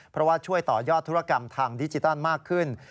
เพราะว่าช่วยต่อยอดธุรกรรมทางดิจิตอลมากขึ้น